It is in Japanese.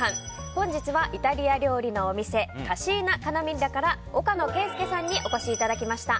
本日はイタリア料理のお店カシーナ・カナミッラから岡野健介さんにお越しいただきました。